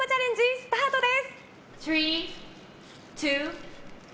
スタートです！